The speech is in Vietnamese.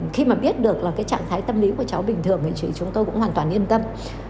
khi mà biết được trạng thái tâm lý của cháu bình thường chúng tôi cũng hoàn toàn yên tâm